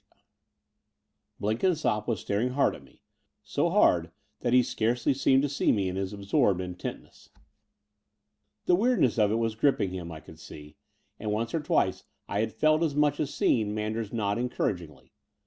XVI Blenkinsopp was staring hard at me, so hard that he scarc/aly seemed to see me in his absorbed intent Between London and Clymplng 193 ness. The weirdness of it was gripping him, I could see; and once or twice I had felt as much as seen Manders nod encouragingly.